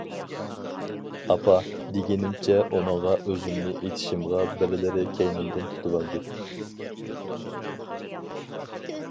«ئاپا» دېگىنىمچە ئۇنىڭغا ئۆزۈمنى ئېتىشىمغا بىرلىرى كەينىمدىن تۇتۇۋالدى.